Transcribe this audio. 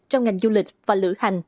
trong ngành du lịch và lựa hành